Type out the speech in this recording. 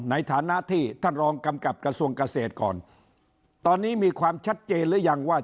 ในฐานะที่ท่านรองกำกับกระทรวงเกษตรก่อนตอนนี้มีความชัดเจนหรือยังว่า